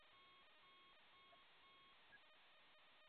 Kudhibiti kuhama kwa wanyama